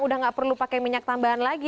udah nggak perlu pakai minyak tambahan lagi